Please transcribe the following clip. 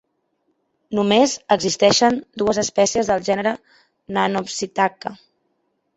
Només existeixen dues espècies del gènere "Nannopsittaca".